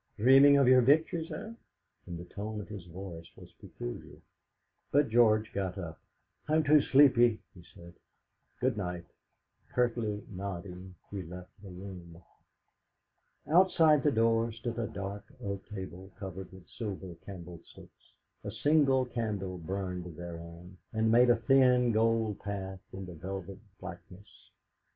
Dreaming of your victories, eh?" And the tone of his voice was peculiar. But George got up. "I'm too sleepy," he said; "good night." Curtly nodding, he left the room. Outside the door stood a dark oak table covered with silver candlesticks; a single candle burned thereon, and made a thin gold path in the velvet blackness.